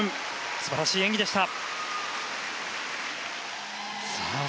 素晴らしい演技でした。